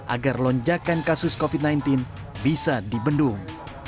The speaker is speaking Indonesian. agar lonjakan kasus covid sembilan belas bisa dibendung